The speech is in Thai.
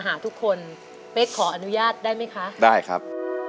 หาทุกคนเป๊กขออนุญาตได้ไหมคะได้ครับ